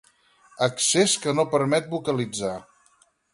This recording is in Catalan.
Accés que no permet vocalitzar.